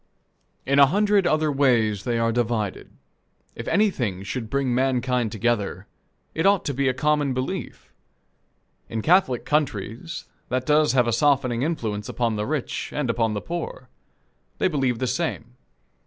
In a hundred other ways they are divided. If anything should bring mankind together it ought to be a common belief. In Catholic countries, that does have a softening influence upon the rich and upon the poor. They believe the same.